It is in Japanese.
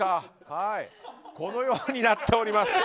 このようになっております。